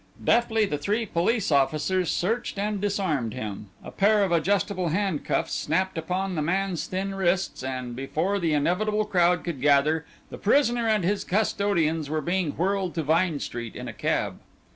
Deftly the three police officers searched and disarmed him; a pair of adjustable handcuffs snapped upon the man's thin wrists, and before the inevitable crowd could gather the prisoner and his custodians were being whirled to Vine Street in a cab.